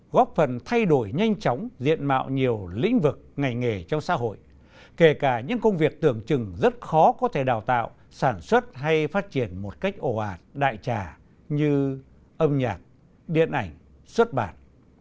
góp phần thay đổi nhanh chóng diện mạo nhiều lĩnh vực ngành nghề trong xã hội kể cả những công việc tưởng chừng rất khó có thể đào tạo sản xuất hay phát triển một cách ồ ạt đại trà như âm nhạc điện ảnh xuất bản